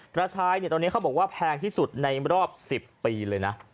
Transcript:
กระชายเนี่ยตอนนี้เขาบอกว่าแพงที่สุดในรอบ๑๐ปีเลยนะ